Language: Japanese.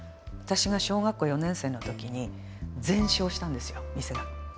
私が小学校４年生のときに全焼したんですよ店が。